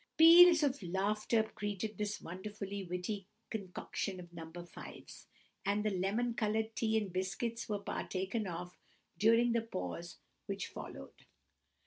Peals of laughter greeted this wonderfully witty concoction of No. 5's, and the lemon coloured tea and biscuits were partaken of during the pause which followed.